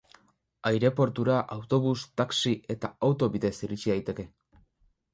Aireportura autobus, taxi eta auto bidez iritsi daiteke.